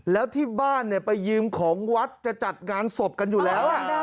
แล้วที่บ้านไปยืมของวัดจะจัดงานศพกันอยู่แล้ว